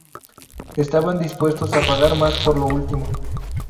Estaban dispuestos a pagar más por lo último.